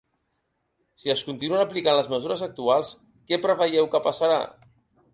Si es continuen aplicant les mesures actuals, què preveieu que passarà?